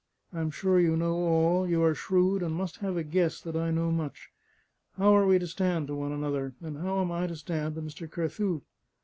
I am sure you know all; you are shrewd, and must have a guess that I know much. How are we to stand to one another? and how am I to stand to Mr. Carthew?"